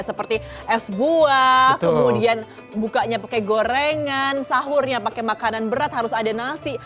seperti es buah kemudian bukanya pakai gorengan sahurnya pakai makanan berat harus ada nasi